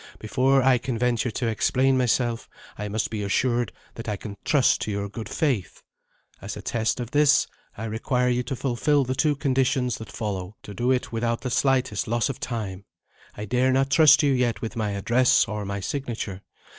Before I can venture to explain myself, I must be assured that I can trust to your good faith. As a test of this, I require you to fulfil the two conditions that follow and to do it without the slightest loss of time. I dare not trust you yet with my address, or my signature.